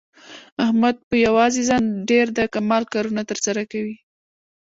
احمد په یووازې ځان ډېر د کمال کارونه تر سره کوي.